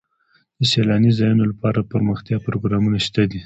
د سیلاني ځایونو لپاره دپرمختیا پروګرامونه شته دي.